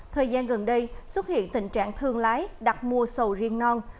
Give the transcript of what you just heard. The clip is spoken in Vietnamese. thời gian gần đây xuất hiện tình trạng thương lái đặt mua sầu riêng non